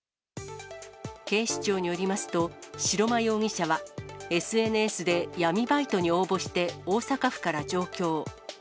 警視庁によりますと、白間容疑者はＳＮＳで闇バイトに応募して大阪府から上京。